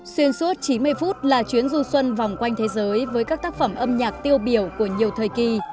xuyên suốt chín mươi phút là chuyến du xuân vòng quanh thế giới với các tác phẩm âm nhạc tiêu biểu của nhiều thời kỳ